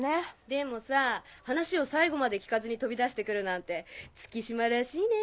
でもさ話を最後まで聞かずに飛び出して来るなんて月島らしいね。